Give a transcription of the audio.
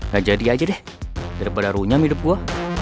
nah jadi aja deh daripada runyam hidup gue